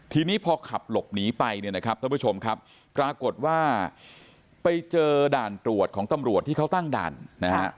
ทีนี้พอขับหลบหนีไปเนี่ยนะครับท่านผู้ชมครับปรากฏว่าไปเจอด่านตรวจของตำรวจที่เขาตั้งด่านนะฮะ